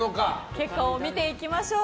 結果を見ていきましょう。